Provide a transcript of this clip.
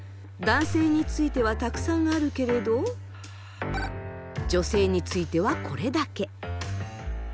男性についてはたくさんあるけれど女性についてはこれだけ。